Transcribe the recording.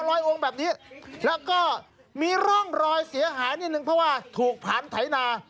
ลอยองแบบนี้แล้วก็มีร่องรอยเสียหายนิดนึงเพราะว่าถูกผ่านไถนา